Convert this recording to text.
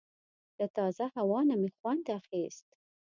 له تازه هوا نه مې خوند اخیست.